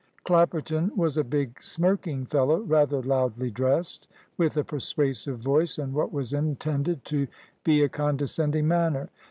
Clapperton was a big, smirking fellow, rather loudly dressed, with a persuasive voice and what was intended to be a condescending manner.